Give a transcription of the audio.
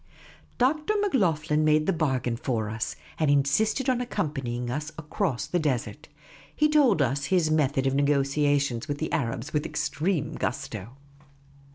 Dr. Macloghlen made the bargain for us, and insisted on accompanying us across the desert. He told us his method of negotiation with the Arabs with extreme gusto.